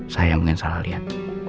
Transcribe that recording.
saya yang mungkin salah liat